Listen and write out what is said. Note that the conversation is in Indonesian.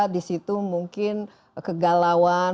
di situ mungkin kegalauan